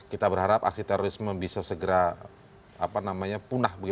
kita berharap aksi terorisme bisa segera punah